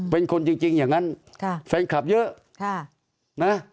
เป็นคนจริงอย่างนั้นแฟนคลับเยอะนะ